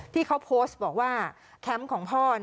ที่เขาโพสต์บอกว่าแคมป์ของพ่อ